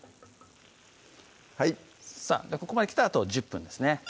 はいここまできたらあと１０分ですね